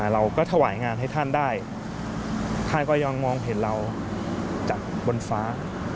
เราก็ถวายงานให้ท่านได้ท่านก็ยังมองเห็นเราจากบนฟ้า